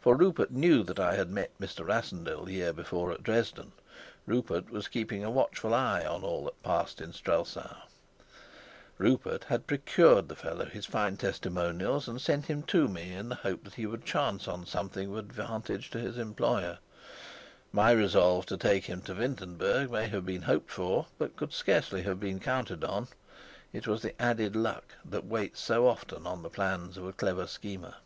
For Rupert knew that I had met Mr. Rassendyll the year before at Dresden; Rupert was keeping a watchful eye on all that passed in Strelsau; Rupert had procured the fellow his fine testimonials and sent him to me, in the hope that he would chance on something of advantage to his employer. My resolve to take him to Wintenberg may have been hoped for, but could scarcely have been counted on; it was the added luck that waits so often on the plans of a clever schemer.